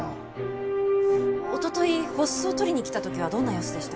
おととい払子を取りに来た時はどんな様子でした？